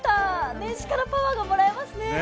年始からパワーがもらえますね。